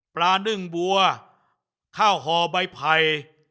นึ่งบัวข้าวห่อใบไผ่